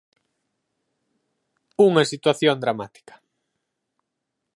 Unha situación dramática.